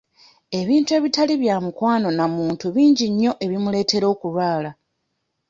Ebintu ebitali bya mukwano na muntu bingi nnyo ebimuleetera okulwala.